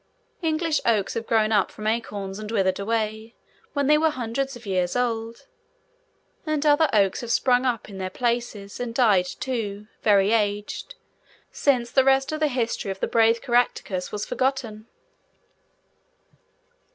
English oaks have grown up from acorns, and withered away, when they were hundreds of years old—and other oaks have sprung up in their places, and died too, very aged—since the rest of the history of the brave Caractacus was forgotten.